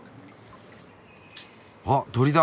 あっ鳥だ。